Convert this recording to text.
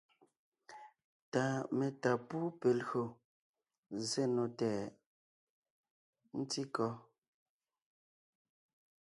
Ta metá pú pe lyò zsé nò tɛʼ ? ntí kɔ́?